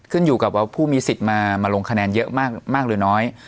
ขึ้นอยู่กับว่าผู้มีสิทธิ์มาลงคะแนนเยอะมากหรือน้อย